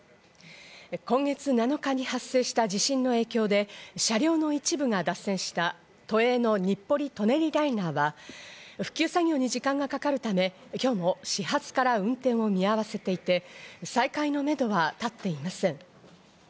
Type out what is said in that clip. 今月７日に発生した地震の影響で、車両の一部が脱線した都営の日暮里・舎人ライナーは復旧作業に時間がかかるため今日も始発から運転を見合わせていて、再開のめどは立っていません。